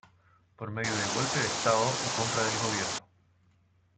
Por medio de golpe de estado o compra del gobierno.